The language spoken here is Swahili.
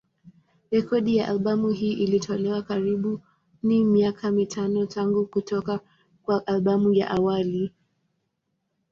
Rekodi ya albamu hii ilitolewa karibuni miaka mitano tangu kutoka kwa albamu ya awali.